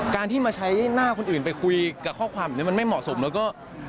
การที่มาใช้หน้าคนอื่นไปคุยกับข้อความแบบนี้มันไม่เหมาะสมแล้วก็